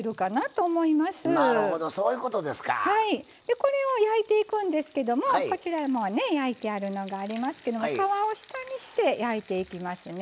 これを焼いていくんですけどもこちらもう焼いてあるのがありますけど皮を下にして焼いていきますね。